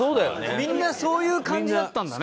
みんなそういう感じだったんだね